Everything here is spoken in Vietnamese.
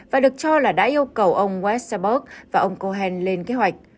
và được cho là đã yêu cầu ông westerbork và ông cohen lên kế hoạch